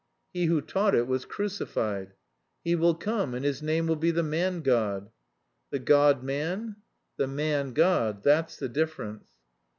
"He who taught it was crucified." "He will come, and his name will be the man god." "The god man?" "The man god. That's the difference."